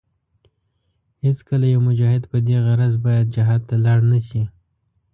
هېڅکله يو مجاهد په دې غرض باید جهاد ته لاړ نشي.